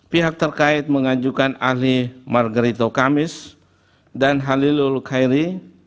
pihak terkait mengajukan ahli margerito kamis dan halilul khairi